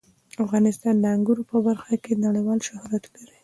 افغانستان د انګورو په برخه کې نړیوال شهرت لري.